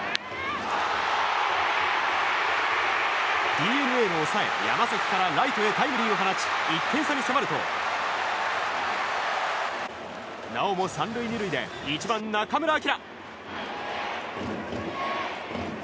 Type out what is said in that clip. ＤｅＮＡの抑え、山崎からライトへタイムリーを放ち１点差に迫るとなおも３塁２塁で１番、中村晃。